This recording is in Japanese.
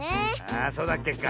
ああそうだっけか。